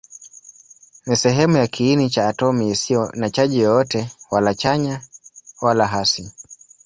Ni sehemu ya kiini cha atomi isiyo na chaji yoyote, wala chanya wala hasi.